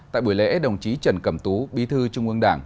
tại buổi lễ đồng chí trần cẩm tú bí thư trung ương đảng